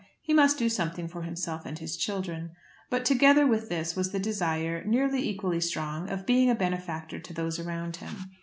He must do something for himself and his children. But together with this was the desire, nearly equally strong, of being a benefactor to those around him.